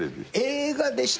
映画でしたか。